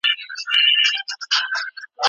کله کله هم شاعر بې موضوع وي